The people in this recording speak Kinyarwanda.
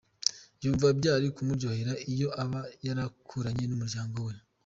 Yumva byari kumuryohera iyo aba yarakuranye n’umuryango we wose.